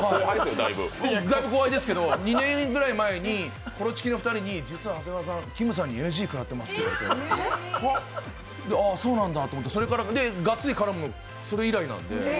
だいぶ後輩ですけど２年ぐらい前にコロチキの２人に実は長谷川さん、きむさんにＮＧ食らってますと言われてああ、そうなんだと思ってガッツリ絡むのはそれ以来なんで。